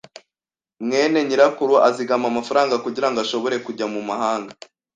mwene nyirakuru azigama amafaranga kugirango ashobore kujya mumahanga.